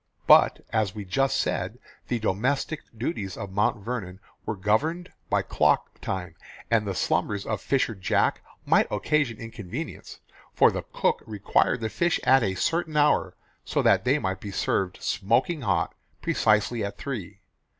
But, as we just said, the domestic duties of Mount Vernon were governed by clock time, and the slumbers of fisher Jack might occasion inconvenience, for the cook required the fish at a certain hour, so that they might be served smoking hot precisely at three.